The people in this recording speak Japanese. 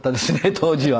当時は。